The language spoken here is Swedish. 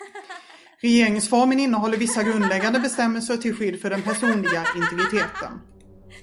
Regeringsformen innehåller vissa grundläggande bestämmelser till skydd för den personliga integriteten.